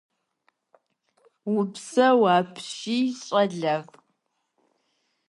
-Упсэу апщий, щӀэлэфӀ.